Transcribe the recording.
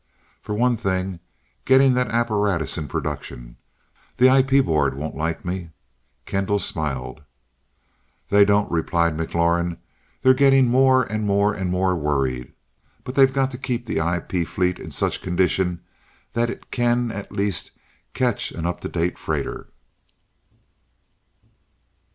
For one thing, getting that apparatus in production. The IP board won't like me." Kendall smiled. "They don't," replied McLaurin. "They're getting more and more and more worried but they've got to keep the IP fleet in such condition that it can at least catch an up to date freighter."